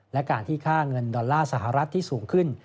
และการที่ค่าเงินดอลลาร์สหรัฐที่สูงขึ้น